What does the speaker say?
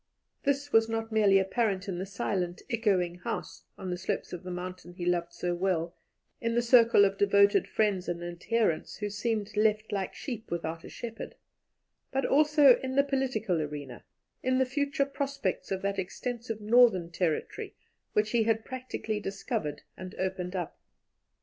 This was not merely apparent in the silent, echoing house, on the slopes of the mountain he loved so well, in the circle of devoted friends and adherents, who seemed left like sheep without a shepherd, but also in the political arena, in the future prospects of that extensive Northern Territory which he had practically discovered and opened up.